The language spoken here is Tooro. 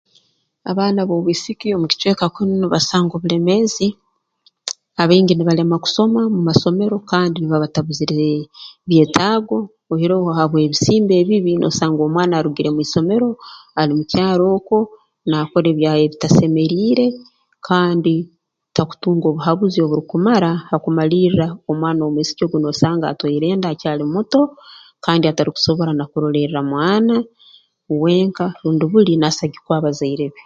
Abaana b'obwisiki omu kicweka kunu nibasanga obulemeezi abaingi nibalema kusoma mu masomero kandi nibaba batabuzirwe byetaago oihireho ha bw'ebisimba ebibi noosanga omwana arugire mu isomero ali mu kyaro oku naakora ebya ebitasemeriire kandi takutunga obuhabuzi oburukumara hakumalirra omwana omwisiki ogu noosanga atwaire enda akyali muto kandi atarukusobora na kurolerra mwana wenka rundi buli naasagikwa abazaire be